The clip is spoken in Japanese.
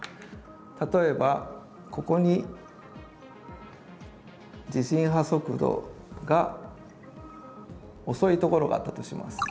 例えばここに地震波速度が遅いところがあったとします。